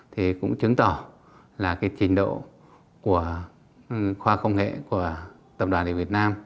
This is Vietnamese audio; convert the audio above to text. thì cũng chứng tỏ là cái trình độ của khoa công nghệ của tập đoàn điện việt nam